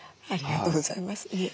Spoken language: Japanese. ありがとうございます。